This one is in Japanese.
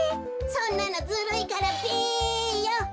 そんなのずるいからべよ。